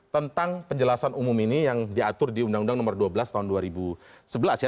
tentang penjelasan umum ini yang diatur di undang undang nomor dua belas tahun dua ribu sebelas ya